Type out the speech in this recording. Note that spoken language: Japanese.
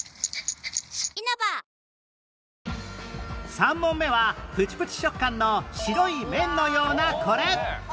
３問目はプチプチ食感の白い麺のようなこれ